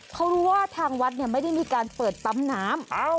เขารู้ว่าทางวัดไม่ได้มีการเปิดปั๊มน้ำ